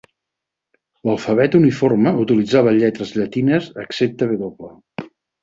L'alfabet uniforme utilitzava lletres llatines, excepte "w".